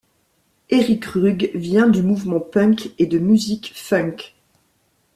Erik Rug vient du mouvement Punk et de musique Funk.